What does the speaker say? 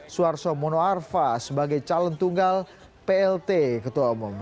suarso monoarfa sebagai calon tunggal plt ketua umum